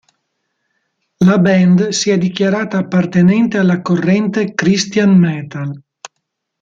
La band si è dichiarata appartenente alla corrente christian metal.